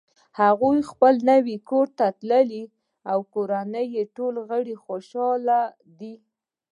هغوی خپل نوی کور ته تللي او د کورنۍ ټول غړ یی خوشحاله دي